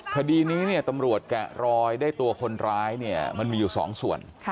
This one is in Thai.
คดีนี้เนี่ยตำรวจแกะรอยได้ตัวคนร้ายเนี่ยมันมีอยู่๒ส่วน